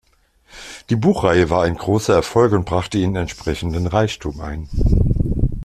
Die Buchreihe war ein großer Erfolg und brachte ihnen entsprechenden Reichtum ein.